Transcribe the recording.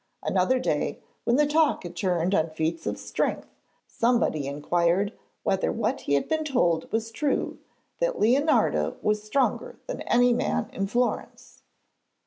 Another day, when the talk had turned on feats of strength, somebody inquired whether what he had been told was true, that Leonardo was stronger than any man in Florence.